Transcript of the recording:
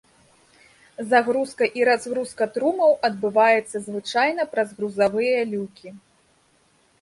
Загрузка і разгрузка трумаў адбываецца звычайна праз грузавыя люкі.